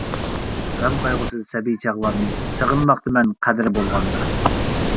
غەم قايغۇسىز سەبىي چاغلارنى، سېغىنماقتىمەن قەدرى بولغاندا.